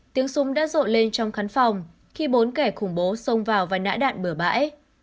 tiếng súng đã rộn lên trong khán phòng khi bốn kẻ khủng bố xông vào và nã đạn bửa bãi